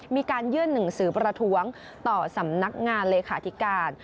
มีการยื่นหนังสือประท้วงต่อสำนักงานเลขาธิการ